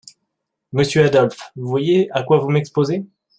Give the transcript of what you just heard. Monsieur Adolphe, vous voyez à quoi vous m’exposez…